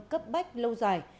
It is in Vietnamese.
cấp bách lâu dài